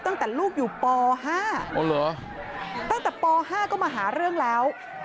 ตั้งแต่ลูกอยู่ป๕ตั้งแต่ป๕ก็มาหาเรื่องแล้ว